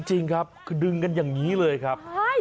จริงครับคือดึงกันอย่างนี้เลยครับ